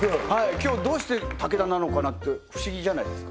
今日どうして武田なのかなって不思議じゃないですか？